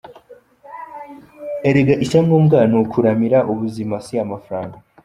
Erega icyangombwa ni ukuramira ubuzima si amafaranga”.